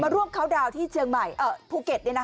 มาร่วมคาวต์ดาวน์ที่เชียงใหม่เอ่อภูเกษเนี่ยนะครับ